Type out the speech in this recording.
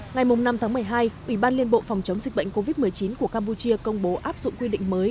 ngày năm tháng một mươi hai ủy ban liên bộ phòng chống dịch bệnh covid một mươi chín của campuchia công bố áp dụng quy định mới